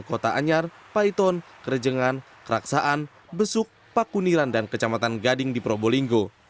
kota anyar paiton kerejengan keraksaan besuk pakuniran dan kecamatan gading di probolinggo